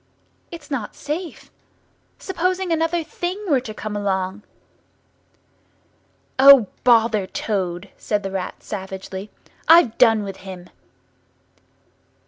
It's not safe. Supposing another Thing were to come along?" "O, bother Toad," said the Rat savagely; "I've done with him!"